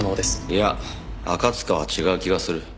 いや赤塚は違う気がする。